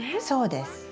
そうです。